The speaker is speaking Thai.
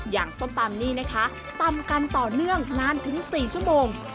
ส้มตำนี่นะคะตำกันต่อเนื่องนานถึง๔ชั่วโมง